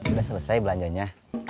udah selesai belanjanya